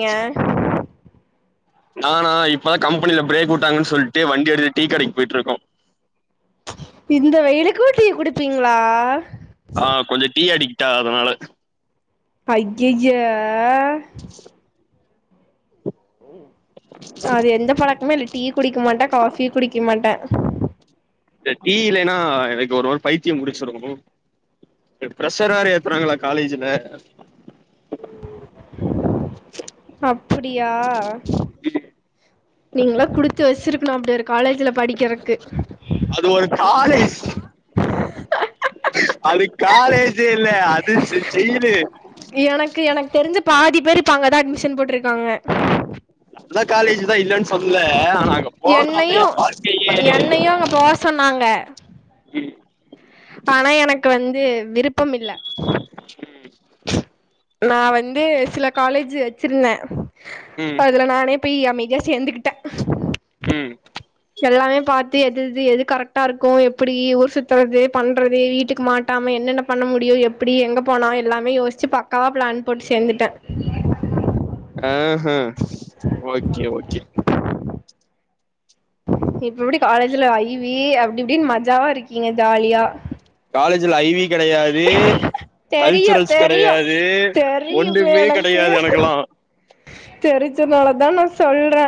ஏ நானா இப்பதா கம்பனில பிரேக் உட்டாங்கன் சொல்ட்டு வண்டி எடுத்து டீ கடைக் போயிட்ருக்கோ இந்த வெயிலுக்கு டீ குடிப்பீங்ளா ஆ கொஞ்சோ டீ அடிக்ட்டா அதனால அய்யய்ய அது எந்த பழக்மே இல்ல டீ குடிக்க மாட்டே காஃபியு குடிக்க மாட்டே இந்த த டீ இல்லேனா எனக் ஒரு ஒரு பைத்திய புடிச்சுரு ப்ரஷர் வேற ஏத்துறாங்ளா காலேஜ்ல அப்டியா நீங்களா குடுத்து வச்சிருக்ணு அப்டி ஒரு காலேஜ்ல படிக்கறக்கு அது ஒரு காலேஜ் அது காலேஜ் இல்ல அது ஷிச் ஜெயிலு எனக்கு எனக் தெருஞ்சு பாதி பேரு இப்ப அங்க தா அட்மிஷன் போட்ருக்காங்க நல்ல காலேஜ் தா இல்லன் சொல்லல ஆனா அங்க போறதா இருந்தா என்னையு எ வாழ்க்கையே என்னையு அங்க போ சொன்னாங்க ம் பண எனக்கு வந்து விருப்பம் இல்ல நா வந்து சில காலேஜ் வச்சிருந்தே ம் அதுல நானே பேய் அமைதியா சேந்துகிட்டே ம் எல்லாமே பாத்து எது எது எது கரக்ட்டா இருக்கு எப்பிடி ஊர் சுத்துறது பண்றது வீட்டுக்கு மாட் ட்டாம என்னன்ன பண்ண முடியு எப்புடி எங்க போனா எல்லாமே யோஸ்ச்சு பக்காவா ப்ளான் போட்டு சேந்துட்டே ஆஹ ஓகே ஓகே இப்ப எப்டி காலேஜ்ல ஐ வி அப்டி இப்டின் மஜாவா இருக்கீங்க ஜாலியா காலேஜுல ஐ வி கெடையா து தெரியு கல்ச்சுரல்ஸ் தெரியு கெடையாது தெரியுமே ஒன்னுமே கெடையாது எனக்கலா தெருஞ்சனாலதா நா சொல்றே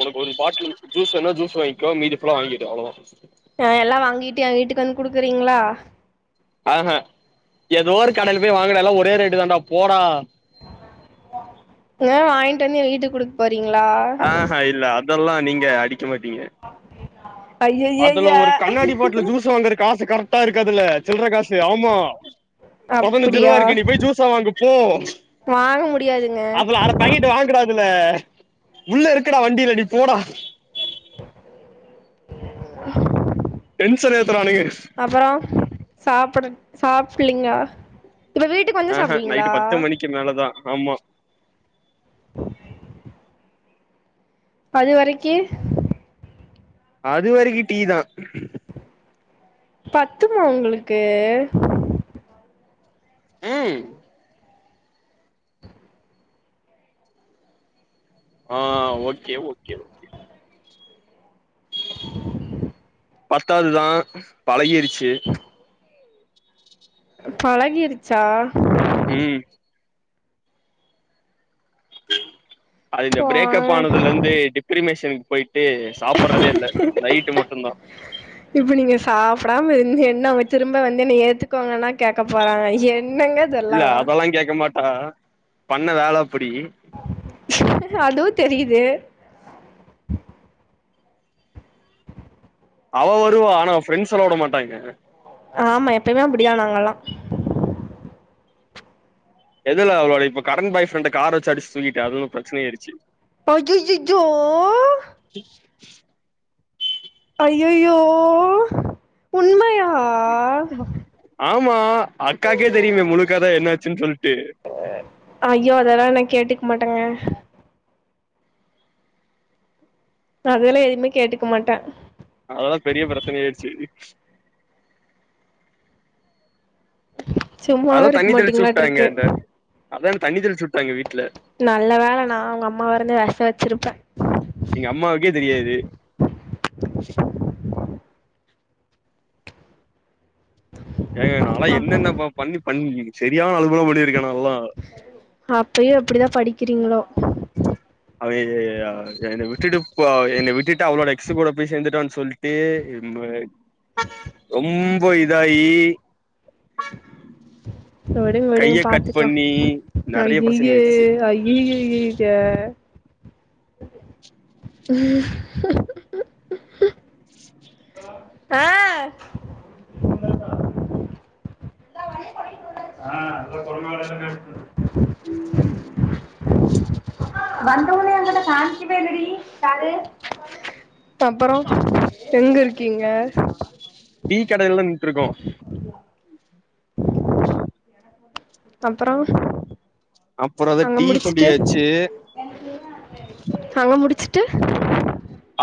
உனக் ஒரு பாட்லு ஜூஸ்வேனா ஜூஸ் வாங்கோ மீதி ஃபுல்லா வாங்கிகோ அவ்ளோ தா ஆ எல்லா வாங்கிட்டு எ வீட்டுக் வந் குடுக்குறீங்ளா ஆ ஹ எதோ ஒரு கடல போய் வாங்குடால்லா ஒரே ரேட்டுதாண்டா போடா ஏ வாங்கிட் வந்து எ வீட்டுக் குடுக் போறீங்ளா ஆ ஹா இல்ல அதல்லா நீங்க அடிக்க மாட்டீங்க ஐய்யய்யய்ய அதுல ஒரு கண்ணாடி பாட்லு ஜூஸு வாங்குற காசு கரட்டா இருக்காதுல்ல சில்ற காசு ஆமா அப்டியா பதினஞ்சுரூவாருக்கு நீ போய் ஜூஸ வாங்கு போ [unintelligible] முடியாதுங்க பாக்கெட்டு வாங்குடா அதுல உள்ளருக்குடா வண்டில நீ போடா [inaudible] டென்சன் ஏத்தரானுங்க அப்பறோ சாப்ட சாப்பில்லைங்கா இப்ப வீட் ஆஹ நைட்டு பத்து மணிக்கி மேலதா ஆமா [inaudible] அது வரைக்கி அது வரைக்கி டீ தா பத்துமா ஒங்களுக்கு ம் ஆ ஓகே ஓகே பத்தாதுதா பழகிர்ச்சு பழகிருச்சா ம் அது இந்த பிரேக்ப் போங்க ஆனதுல இருந்து டிப்ரிமேஷனுக்கு போயிட்டு சாப்பட்றதே இல்ல நைட்டு மட்டுந்தா இப்ப நீங்க சாப்டாம இருந்து என்ன அவுங்க திரும்ப வந்து என்ன ஏத்துக்கோங்ன்னா கேக்க போறாங்க என்னங்க இல்ல இதெல்லா அதல்லா கேக்க மாட்டா பண்ண வேல அப்புடி அதுவு தெரிது அவ வருவா ஆனா ஃப்ரெண்ட்ஸ்ல்லா உட மாட்டாய்ங்க ஆமா எப்பயுமே அப்டிதா நாங்கல்லா இல்லல்ல அவளோட இப்ப கரண்ட் பாய் ஃப்ரெண்ட கார வச்சு அடிச்சு தூக்கிட்டே அது வந்து பிரச்சன ஆய்டுச்சு ஐயய்யயோ [inaudible] ஐயயோ ஆமா அக்காக்கே தெரியுமே முழுக்கத என்னாச்சுன் சொல்ட்டு ஐயோ அதெல்லா நா கேட்டுக்க மாட்டேங்க அ அதெல்லா எதுமே கேட்டுக்க மாட்ட அதெல்லா பெரிய பிரச்சன ஆயிருச்சு சும்மாவே அதா இருக்க தண்ணி தெளிச்சு உட்டாங்கெ மாட்டீங்களாட்ருக்கு என்ன அதா தண்ணி தெளிச்சு உட்டாங்கெ வீட்ல நல்ல வேல நா ஒங்க அம்மாவா இருந்தா வெஷ வச்சிருப்பே எங்க அம்மாவுக்கே தெரியாது ஏங்க நாலா என்னென்ன ப பண்ணி பண்ணி செரியான அலும்பெல்லா பண்ணிருக்கே நாலா அப்பயு எப்டிதா படிக்கிறீங்களோ அவ எ அ என்ன விட்டுட்டு இப்ப என்ன விட்டுட்டு அவளோட எக்ஸு கூட போய் சேந்துட்டான் சொல்ட்டு [unintelligible] [inaudible] ரொம்ப இதாயி விடுங்க விடுங்க கைய கட் பாத்துக்லா பண்ணி நெறைய ஐயைய பிரச்சனை ஆயிடுச்சு ஐ ய்யய்யய்த ம் ஆ ஆ அதல்ல கொழப்பொ வேறங்க வந்தோனே அங்கன காமிக்கவே இல்லடி சாரு அப்பறோ எங்க இருக்கீங்க டீ கடைலதா நின்ட்ருக்கோ அப்பறோ அப்பறோ அதா டீ சொல்லியாச்சு ஹவ முடிச்சிட்டு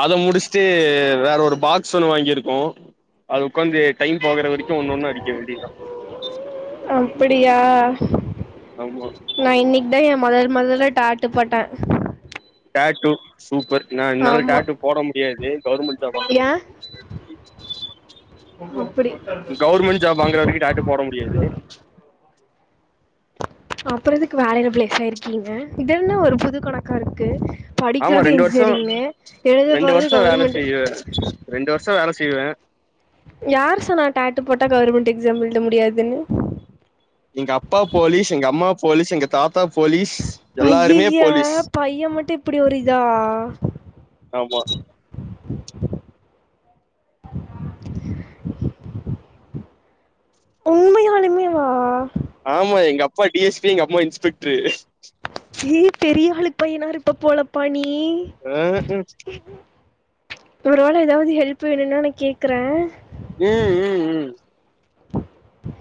அத முடிச்சுட்டு வேற ஒரு பாக்ஸ் ஒன்னு வாங்கிருக்கோ அத உக்காந்து டைம் போகற வரைக்கு ஒன்னு ஒன்னு அடிக்க வேண்டியது தா அப்பிடியா ஆமா நா இன்னைக்கு தா எ மொதல் மொதல்ல டாட்டு போட்டே டாட்டு சூப்பர் நா என்னால ஆமா டாட்டு போட முடியாது கவர்மெண்ட் ஜாப் வாங்குற ஏ வரைக்கு அப்படி கவர்மெண்ட் ஜாப் வாங்குற வரைக்கு டாட்டு போட முடியாது அப்பற எதுக்கு வேலைல பிளேஸாயிருக்கீங்க இதென்ன ஒரு புதுக்கணக்கா இருக்கு ஆமா படிக்கிறது ரெண்டு வருஷோ இன்ஜினியரிங்கு எழுத ரெண்டு போறது வருஷோ வேல கவர்மெண்ட்டு செய்வே ரெண்டு வர்ஷ வேல செய்வே யார் சொன்ன டாட்டு போட்டா கவர்மெண்ட் எக்ஸா எழுத முடியாதுன்னு எங்க அப்பா போலீஸ் எங்க அம்மா போலீஸ் எங்க தாத்தா போலீஸ் எல்லாருமே ஐயய்யோ போலீஸ் பைய மட்டு இப்டி ஒரு இதா ஆமா உண்மையாலுமே வா ஆமா எங்க அப்பா டி எஸ் பி எங்க அம்மா இன்ஸ்பெக்ட்ரு ஏ பெரியாளு பையனா இருப்ப போலப்பா நீ ஆ உ ஒரு வேல ஏதாவது ஹெல்ப் வேணும்ன்னா நா கேக்கறே ம் ம் ம்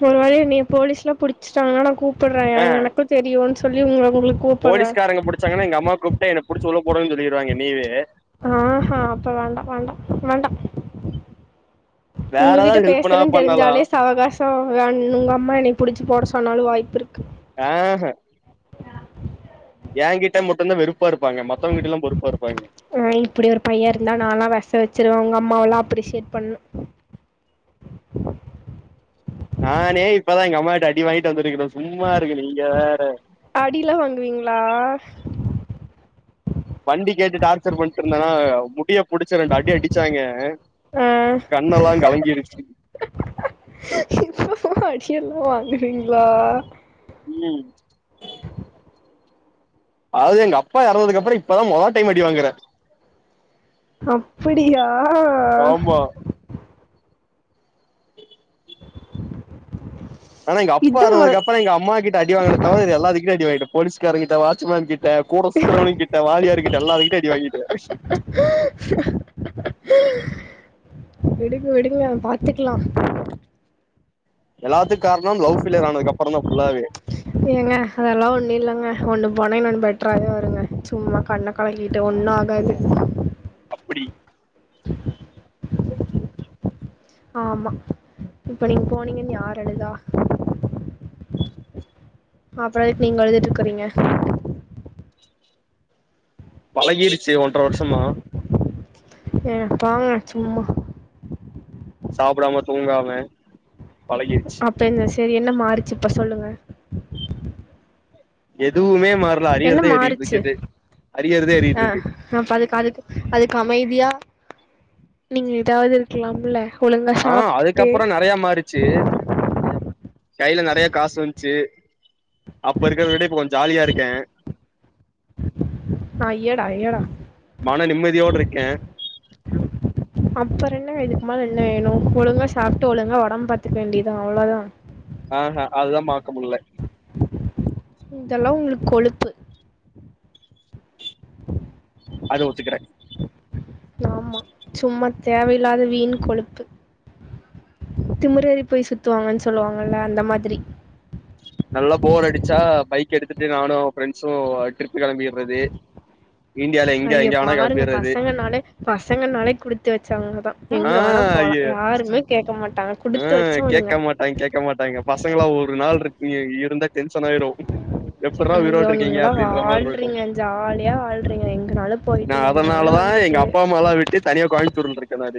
ஒரு வேல என்னைய போலீஸ்ல்லா புடிச்சட்டாங்கன்னா நா கூப்பற்றே அங்கன எனக்கு தெரியுன்னு சொல்லி உங்க உங்களுக் போலீகாரங்க புடிச்சாங்கானா எங்க அம்மா கூப்பிட்டே என்ன புடிச்சு உள்ள போடகன்னு சொல்லிடுவாங்க என்னையவே ஆஹோ அப்போ வேண்டா வேண்டா வேண்டா வேற உங்ககிட்ட ஏதாவது ஹெல்ப்னா பேசறன் பண்ணலா தெரிஞ்சாலே அவகாச வேண் உங்க அம்மா என்னைய புடிச்சு போட சொன்னாலு வாய்ப்பு இருக்கு ஆ ஹ ஏ கிட்ட மட்டுந்தா வெறுப்பா இருப்பாங்க மத்தவங்க கிட்ட எல்லா பொறுப்பா இருப்பாய்ங்க ஆ இப்டி ஒரு பைய இருந்தா நலா விஷோ வெச்சுருவே உங்க அம்மாவெல்லா அப்டிசைட் பண்ணு நானே இப்பதா எங்க ம்மா கிட்ட அடி வாங்கிட்டு வந்திருக்கே சும்மா இருங்க நீங்க வேற அடியிலா வாங்குவீங்ளா வண்டி கேட்டு டார்ச்சர் பண்ணட்டுருந்தனா முடிய புடிச்சி ரெண்டு அடி அடிச்சாங்க ஆ கண்ணெல்லா கலங்கிருச்சி இப்பவு அடிய எல்லா வாங்குறீங்ளா ம் அது எங்க அப்பா இறந்துதப்புறமா இப்பதா மொதா டைம் அடிவங்கற அப்படியா ஆமா ஆனா எங்க அப்பா இதா எறந்ததுக்கு அப்புற எங்க அம்மா கிட்ட அடிவாங்கனல் தவர மீதி எல்லாத்து கிட்டயு அடி வாங்கிட்ட போலீஸ்கார கிட்ட வாட்சமேன் கிட்ட கூட சுத்தரவனுங்கிட்ட வாத்தியார் கிட்ட எல்லார் கிட்டயு அடி வாங்கிட்ட விடுங்க விடுங்க பாத்துக்கலா எல்லாத்து காரணம் லவ் ஃபேலியர் ஆனதுக்கப்புறந்தா ஃபுல்லாவே ஏங்க அதெல்லா ஒண்ணு இல்லங்க ஒண்ணு போனா இன்னொன்னு பெட்டராே வருங்க சும்மா கண்ண கலக்கிட்டு ஒன்னு ஆகாது அப்படி ஆமா இப்ப நீங்க போனீங்கன்னு யார் அழுதா அப்புற எதுக் நீங்க அழுதுட்டு இக்கறீங்க பழகிருச்சு ஒன்ற வருசமா ஏங்த போங்க சும்மா சாப்டாம தூங்காம பழகிருச்சி அப்ப இருந்து சரி என்ன மாறிச்சி இப்ப சொல்லுங்க எதுவுமே மாறலா என்ன அறியறத்தா எறிட்டு மாறுச்சு இருக்குது அறியற்தே எறட்டு இருக்கு ப்ப அதுக்கு அதுக்கு அதுக்கு அமைதியா நீங்க ஏதாவது இருக்கலாமுல்ல ஆ அதுக்கப்பறோ நொறைய மாறுச்சி கையில நெறைய காசு வந்ச்சி அப்ப இருக்கறத விட இப்ப கொஞ்ச ஜாலியா இருக்கே ஐய்யட ஐய்யடா யா மன நிம்மதியோட இருக்கே அப்பறோ என்னங்க இதுக்கு மேல என்ன வேணு ஒழுங்கா சாப்ட்டு ஒழுங்கா உடம்பு பாத்துக்க வேண்டியதா அவ்ளோதா ஆ ஹா அதுதா பாக்க முல்ல இதெல்லா உங்குளுக் கொழுப்பு அது ஒத்துக்குரே நாம்மா சும்மா தேவையில்லாத வீண் கொழுப்பு திமுறேரி போய் சுத்துவாங்கன் சொல்லுவாங்கல்ல அந்த மாதுரி நல்லா போர் அடிச்சா பைக் எடுத்துட்டு நானு ஃப்ரெண்ட்ஸு அ டரிப்பு களம்பிற்றது ஐய பாருங்க பசங்கன்னாலே பசங்கன்னாலே குடுத்து வச்சவுங்கதா எங்க வணா போலா ஏ கேக்க மட்டா உ கேக்க மாட்டாங் கேக்க மாட்டாய்ங்க பசங்களா ஒரு நாள் ருக்கிங்கி இருந்தா டென்ஷன் ஆயிரு எப்புட்றா ஐயோ உயிரோட இருக்கீங்க நீங்கலா அப்டின்ற மாரி இருக்கு வாழ்றீங்க ஜால்யா வாழ்றீங்க எங்கனாலு போயிட்டு எங்னாலு வந்துட்டு மலா விட்டு தனியா கோய்ம்த்துர்ல்ருக்க நானு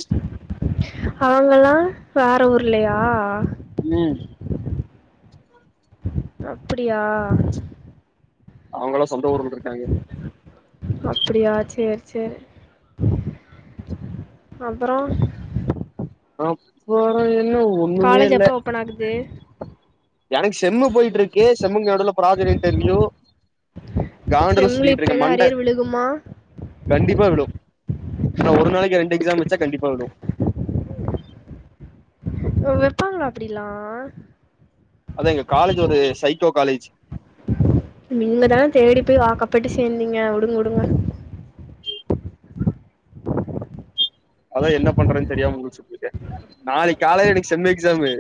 அவங்கல்லா வேற ஊர்லயா ம் அப்புடியா அவுங்கள்லா சொந்த ஊர்ல்ட்ருக்காங்கே அப்புடியா சேர் சேரு அப்பறோ அப்பற என்ன ஓ காலேஜ் எப்ப ஓப்பன் ஆகுது எனக்கு செம்மு போயிட்ருக்கு செம்முங் நெடுல்ல ப்ராஜெட் இன்டர்வியூ காண்டுல செம்ல சுத்திட்ருக்க இப்பதா மண்ட அரியர் விழுகுமா கண்டிப்பா விழு ஏன்னா ஒரு நாளைக்கு ரெண்டு எக்ஸாம் வெச்சா கண்டிப்பா விழு ஒ வெப்பாங்ளா அப்புடிலா அது எங்க காலேஜ் ஒரு சைக்கோ காலேஜ் நீங்க தான தேடி பொய் வாக்கப்பட்டு சேந்தீங்க உடுங்க உடுங்க அதா என்ன பண்றன் தெரியாம முழிச்சுட்ருக்கே நாளைக் காலைய எனக் செம் எக்ஸாமு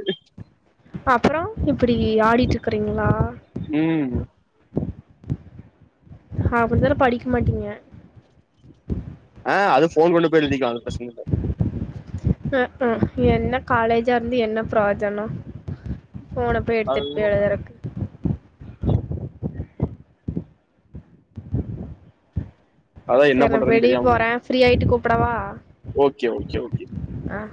அப்பறோ இப்புடி ஆடிட்ருக்குறீங்ளா ம் அப்புடிதாலு படிக் மாட்டீங்க அ அது ஃபோன் கொண்டு போய் எழுதிக்ல அது ப்ரஸ்ன் இல்ல அ அ என்ன காலேஜாருந்து என்ன ப்ரோஜனோ ஃபோன பே அது எடுத்துட் பெய் எழுத்றக்கு அதா என்ன சேர் நா பண்றதுன்னு வெளிய தெரியாம போற ப்ரீ ஆயிட்டு கூப்புடவா ஓகே ஓகே ஓகே அ